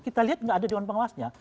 kita lihat nggak ada dewan pengawasnya